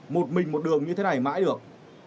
một mình một đường như thế này mãi được